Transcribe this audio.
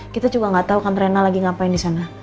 kita juga gak tau kan rena lagi ngapain disana